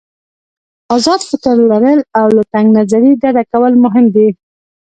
آزاد فکر لرل او له تنګ نظري ډډه کول مهم دي.